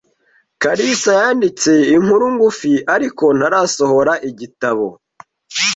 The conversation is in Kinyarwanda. kalisa yanditse inkuru ngufi, ariko ntarasohora igitabo